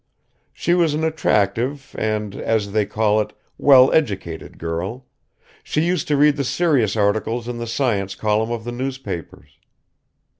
She was an attractive and, as they call it, well educated girl; she used to read the serious articles in the science column of the newspapers.